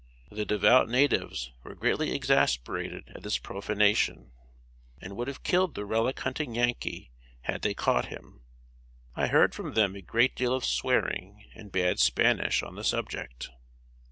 The devout natives were greatly exasperated at this profanation, and would have killed the relic hunting Yankee had they caught him. I heard from them a great deal of swearing in bad Spanish on the subject.